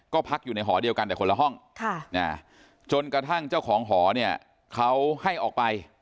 ก็พักอยู่ในหอเดียวกันแต่คนละห้องจนกระทั่งเจ้าของหอเนี่ยเขาให้ออกไป